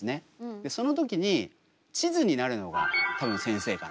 でその時に地図になるのが多分先生かな。